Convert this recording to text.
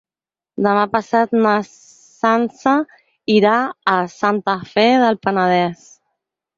Demà passat na Sança irà a Santa Fe del Penedès.